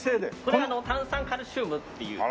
これ炭酸カルシウムっていう。